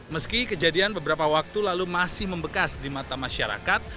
meski kejadian beberapa waktu lalu masih membekas di mata masyarakat